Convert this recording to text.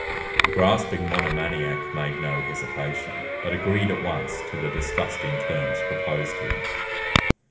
The grasping monomaniac made no hesitation, but agreed at once to the disgusting terms proposed to him.